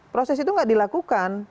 proses itu tidak dilakukan